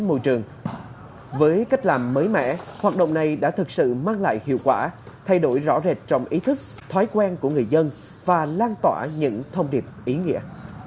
bộ trưởng tô lâm mới mẻ hoạt động này đã thực sự mang lại hiệu quả thay đổi rõ rệt trong ý thức thói quen của người dân và lan tỏa những thông điệp ý nghĩa